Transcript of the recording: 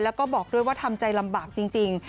แล้วก็บอกด้วยว่าทำใจลำบากจริง